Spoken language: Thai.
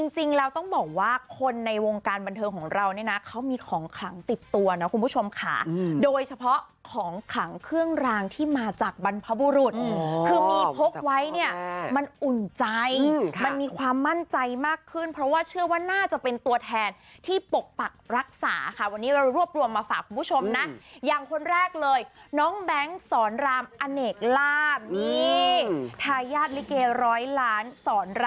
จริงแล้วต้องบอกว่าคนในวงการบันเทิงของเราเนี่ยนะเขามีของขลังติดตัวนะคุณผู้ชมค่ะโดยเฉพาะของขลังเครื่องรางที่มาจากบรรพบุรุษคือมีพกไว้เนี่ยมันอุ่นใจมันมีความมั่นใจมากขึ้นเพราะว่าเชื่อว่าน่าจะเป็นตัวแทนที่ปกปักรักษาค่ะวันนี้เรารวบรวมมาฝากคุณผู้ชมนะอย่างคนแรกเลยน้องแบงค์สอนรามอเนกลาบนี่ทายาทลิเกร้อยล้าน